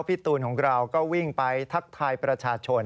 พี่ตูนของเราก็วิ่งไปทักทายประชาชน